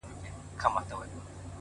پوه انسان هره ورځ بدلېږي،